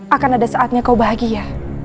akan ada saatnya kau bahagia